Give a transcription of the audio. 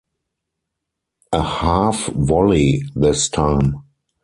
A half volley this time.